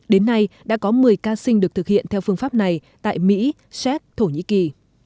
đến nay đã có một mươi ca sinh được thực hiện theo phương pháp này tại mỹ séc thổ nhĩ kỳ